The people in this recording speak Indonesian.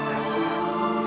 ampuni paman mas